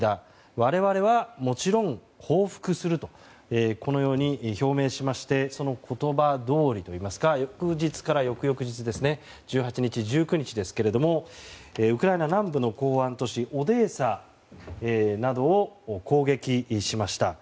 我々は、もちろん報復すると表明しましてその言葉どおりといいますか翌日から翌々日１８日、１９日ウクライナ南部の港湾都市オデーサなどを攻撃しました。